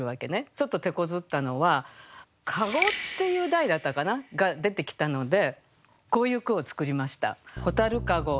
ちょっとてこずったのは「籠」っていう題だったかな？が出てきたのでこういう句を作りました。